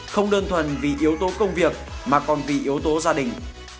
không đơn thuần vì yếu tố công việc mà còn vì yếu tố gia đình